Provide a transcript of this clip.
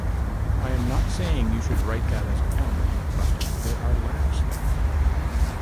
I am not saying you should write that as a comedy, but there are laughs there"".